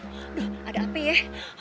aduh ada ape ya